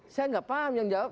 saya nggak paham yang jawab